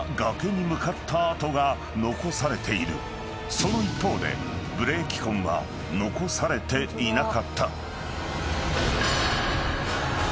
［その一方でブレーキ痕は残されていなかった］